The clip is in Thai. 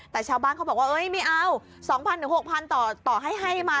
แต่ชาวบ้านเขาบอกว่าเอ้ยไม่เอาสองพันถึงหกพันต่อต่อให้ให้มา